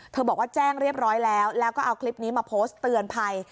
บอกว่าแจ้งเรียบร้อยแล้วแล้วก็เอาคลิปนี้มาโพสต์เตือนภัย